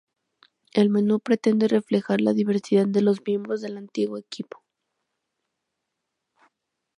El menú pretende reflejar la diversidad de los miembros del antiguo equipo.